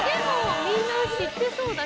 みんな知ってそうだけど。